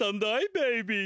ベイビー。